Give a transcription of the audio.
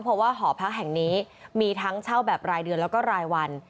เพราะว่าหอพักแห่งนี้มีทั้งเช่าแบบรายเดือนแล้วก็รายวัน